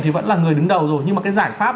thì vẫn là người đứng đầu rồi nhưng mà cái giải pháp